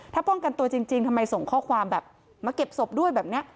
ถ้าป้องกันตัวจริงทำไมส่งข้อความแบบมาเก็บศพด้วยแบบนี้